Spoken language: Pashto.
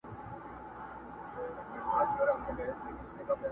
تیاره پر ختمېده ده څوک به ځي څوک به راځي!!